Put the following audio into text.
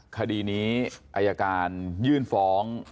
คดีนี้อายการยื่นฟ้อง